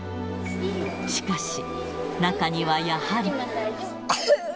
しかし、中にはやはり。